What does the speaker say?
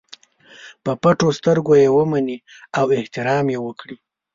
په پټو سترګو یې ومني او احترام یې وکړي.